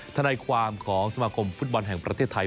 ทนายความของสมาคมฟุตบอลแห่งประเทศไทย